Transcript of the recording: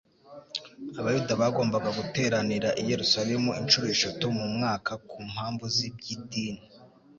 Abayuda bagombaga guteranira i Yerusalemu inshuro eshatu mu mwaka ku mpamvu z'iby'idini.